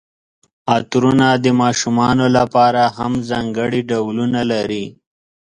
عطرونه د ماشومانو لپاره هم ځانګړي ډولونه لري.